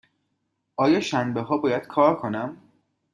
آیا شنبه ها باید کار کنم؟